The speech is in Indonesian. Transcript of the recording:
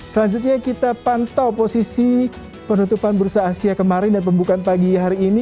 selanjutnya kita pantau posisi penutupan bursa asia kemarin dan pembukaan pagi hari ini